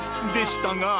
でしたが。